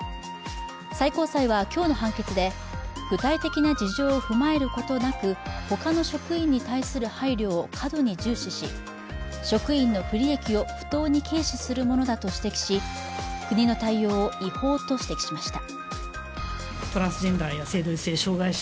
最高裁は今日の判決で具体的な事情を踏まえることなく他の職員に対する配慮を過度に重視し職員の不利益を不当に軽視するものだと指摘し国の対応を違法と指摘しました。